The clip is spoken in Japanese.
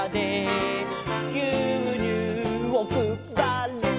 「ぎゅうにゅうをくばる」